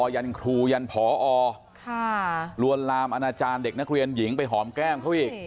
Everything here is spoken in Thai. ยันครูยันผอลวนลามอนาจารย์เด็กนักเรียนหญิงไปหอมแก้มเขาอีก